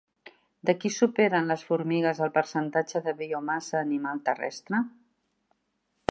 De qui superen les formigues el percentatge de biomassa animal terrestre?